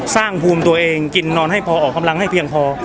สร้างภูมิตัวเองกินนอนให้พอออกกำลังให้เพียงพอ